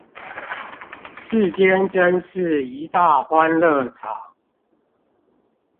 世間真是一大歡樂場